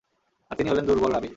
আর তিনি হলেন দুর্বল রাবী।